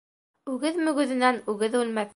Үгеҙ мөгөҙөнән үгеҙ үлмәҫ.